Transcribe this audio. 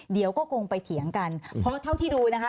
เดี๋ยวก็คงไปเถียงกันเพราะเท่าที่ดูนะคะ